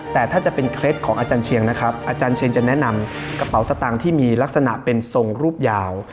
แต่ถ้าจะเป็นเคล็ดของอาจารย์เชียงนะครับอาจารย์เชียงจะแนะนำกระเป๋าสตางค์ที่มีลักษณะเป็นทรงรูปยาว